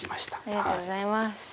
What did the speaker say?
ありがとうございます。